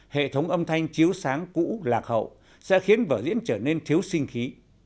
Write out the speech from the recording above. hệ thống âm thanh chiếu sáng cũ lạc hậu sẽ khiến vở diễn trở nên thiếu sinh khí